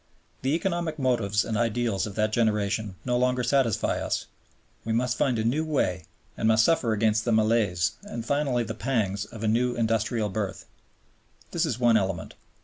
The economic motives and ideals of that generation no longer satisfy us: we must find a new way and must suffer again the malaise, and finally the pangs, of a new industrial birth. This is one element.